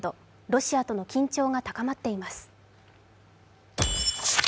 ロシアとの緊張が高まっています。